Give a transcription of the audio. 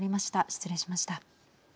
失礼しました。